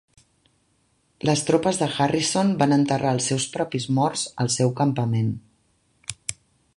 Les tropes de Harrison van enterrar els seus propis morts al seu campament.